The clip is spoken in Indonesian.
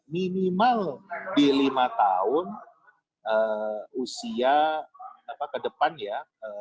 minimal di lima tahun usia ke depan ya